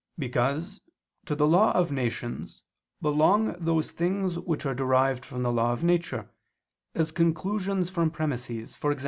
Because, to the law of nations belong those things which are derived from the law of nature, as conclusions from premises, e.g.